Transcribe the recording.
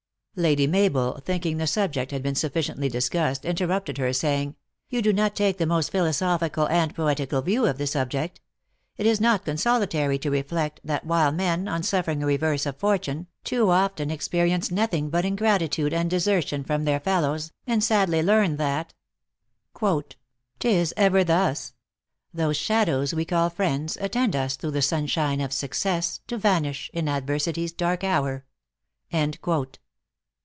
Lady Mabel, thinking the subject had been suffi ciently discussed, interrupted her, saying, "you do not take the most philosophical and poetical view of the subject. Is it not consolatory to reflect, that while men, on suffering a reverse of fortune, too often experience nothing but ingratitude and desertion from their fellows, and sadly learn that " Tis ever thus : Those shadows we call friends, Attend us through the sunshine of success, To vanish in adversity s dark hour." THE ACTKESS IN HIGH LIFE.